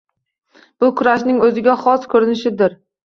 Bu kurashning o’ziga khos ko’rinishidir.